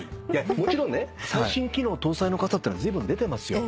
もちろんね最新機能搭載の傘ってのはずいぶん出てます。